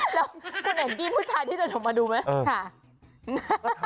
แล้วคุณเห็นกี้ผู้ชายที่เดินออกมาดูไหม